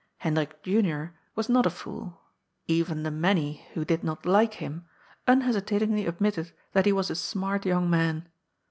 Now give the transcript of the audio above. Hendrik Junior was not a fool. Even the many who did not like him unhesitatingly admitted that he was a smart young man.